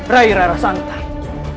rai rara santai